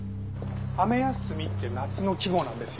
「雨休み」って夏の季語なんですよ。